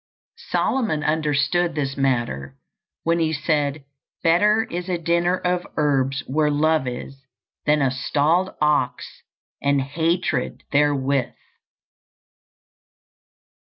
Solomon understood this matter when he said, "Better is a dinner of herbs where love is, than a stalled ox and hatred therewith."